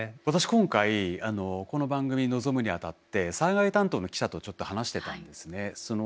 今回この番組に臨むにあたって災害担当の記者とちょっと話してたんですね。